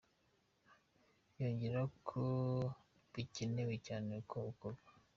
Yongeraho ko bikenewe cyane ko ukorwa.